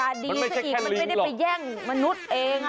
มันไม่ได้ไปแย่งมนุษย์เอง